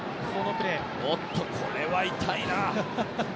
おっと、これは痛いな。